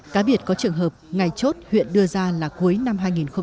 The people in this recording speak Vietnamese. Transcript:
cá biệt có trường hợp ngày chốt huyện đưa ra là cuối năm hai nghìn một mươi chín